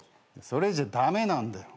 それじゃ駄目なんだよ。